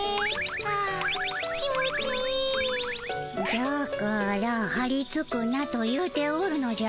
じゃからはりつくなと言うておるのじゃ。